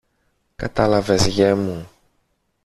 Κατάλαβες, γιε μου;